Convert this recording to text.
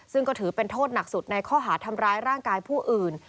ซึ่งก็ถือเป็นโทษหนักสุดในข้อหาทำร้ายร่างกายผู้อื่น